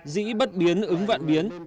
dĩ bất biến ứng vạn biến